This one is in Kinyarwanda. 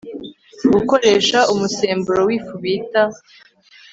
Gukoresha umusemburo wifu bita